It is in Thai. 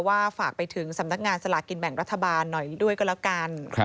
ฝากไปถึงสำนักงานสลากินแบ่งรัฐบาลหน่อยด้วยก็แล้วกัน